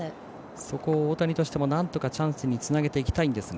そこを大谷としてもなんとかチャンスにつなげていきたいんですが。